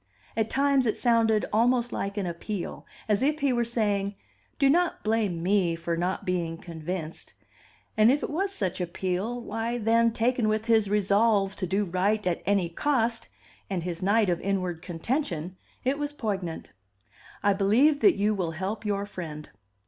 At times it sounded almost like an appeal, as if he were saying, "Do not blame me for not being convinced;" and if it was such appeal, why, then, taken with his resolve to do right at any cost, and his night of inward contention, it was poignant. "I believe that you will help your friend."